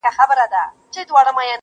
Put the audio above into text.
o د نن کار سبا ته مه پرېږده٫